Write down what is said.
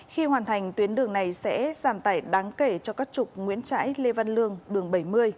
khi hoàn thành tuyến đường này sẽ giảm tải đáng kể cho các trục nguyễn trãi lê văn lương đường bảy mươi